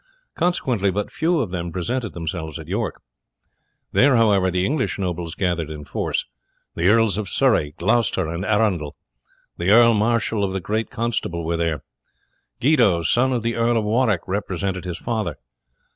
Consequently but few of them presented themselves at York. There, however, the English nobles gathered in force. The Earls of Surrey, Gloucester, and Arundel; the Earl Mareschal and the great Constable were there; Guido, son of the Earl of Warwick, represented his father.